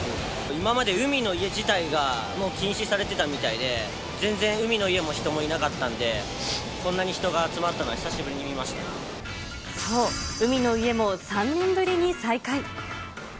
今まで海の家自体が、禁止されてたみたいで、全然海の家も人もいなかったので、こんなに人が集まったのは久しぶそう、海の家も３年ぶりに再開。